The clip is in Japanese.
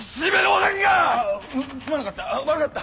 悪かった。